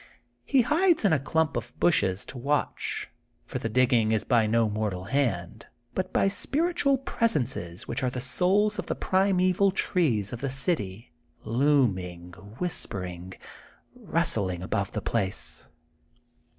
She hides in a clump of bushes to watch; for the digging is by no mortal hand, but by spiritual presences which are the souls of the primeval trees of the city, looming, whispering, rustling above the place.